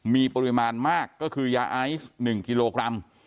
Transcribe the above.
มีปริมาณมากก็คือยาไอซ์๑กิโลกรัม